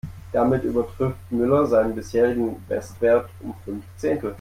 Damit übertrifft Müller seinen bisherigen Bestwert um fünf Zehntel.